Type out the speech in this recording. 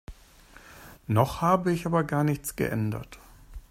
Noch habe ich aber gar nichts geändert.